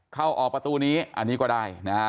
เข้าออกประตูนี้อันนี้ก็ได้นะฮะ